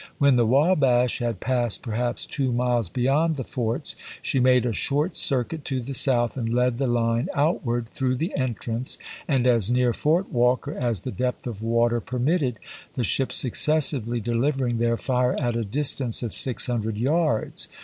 When the Wabash had passed perhaps two miles beyond the forts, she made a short circuit to the south and led the line outward through the entrance and as near Fort Walker as the depth of water permitted, the ships successively delivering their fire at a distance of six hundred yards.